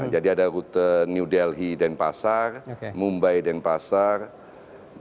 jadi ada rute new delhi dan pasar mumbai dan pasar bangkok dan pasar